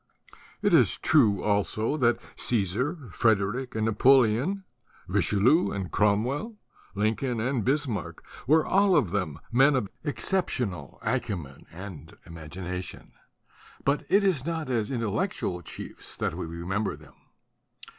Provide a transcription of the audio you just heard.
It is true also that Caesar, Frederick and Napoleon, Richelieu and Cromwell, Lincoln and Bismarck were all of them men of exceptional acumen and imagination; but it is not as intellectual chiefs that we remember them.